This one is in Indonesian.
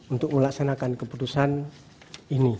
untuk melaksanakan keputusan ini